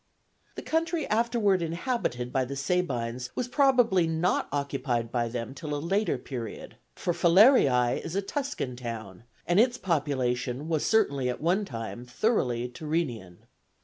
The country afterward inhabited by the Sabines was probably not occupied by them till a later period, for Falerii is a Tuscan town, and its population was certainly at one time thoroughly Tyrrhenian.